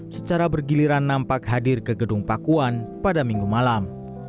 secara bergiliran nampak hadir ke gedung pakuan pada minggu malam